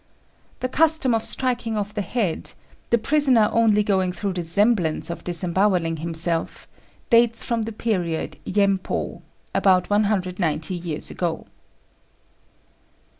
The custom of striking off the head, the prisoner only going through the semblance of disembowelling himself, dates from the period Yempô (about 190 years ago).